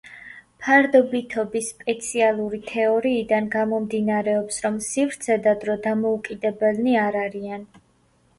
ფარდობითობის სპეციალური თეორიიდან გამომდინარეობს, რომ სივრცე და დრო დამოუკიდებელნი არ არიან.